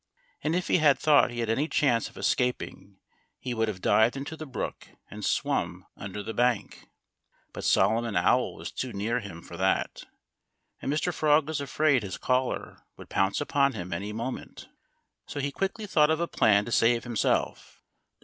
And if he had thought he had any chance of escaping he would have dived into the brook and swum under the bank. But Solomon Owl was too near him for that. And Mr. Frog was afraid his caller would pounce upon him any moment. So he quickly thought of a plan to save himself.